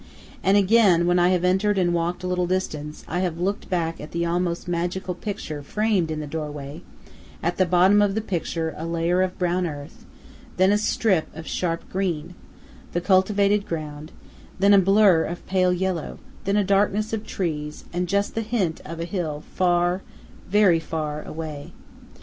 And again, when I have entered and walked a little distance, I have looked back at the almost magical picture framed in the doorway; at the bottom of the picture a layer of brown earth, then a strip of sharp green the cultivated ground then a blur of pale yellow, then a darkness of trees, and just the hint of a hill far, very far away.